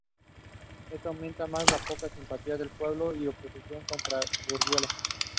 She noted various ethics concerns facing Hastings health as reasons for running.